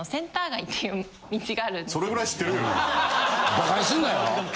バカにすんなよ。